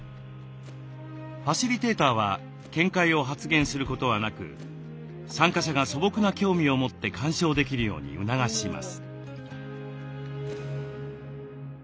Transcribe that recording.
ファシリテーターは見解を発言することはなく参加者が素朴な興味を持って鑑賞できるように促します。